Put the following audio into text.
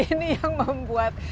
ini yang membuat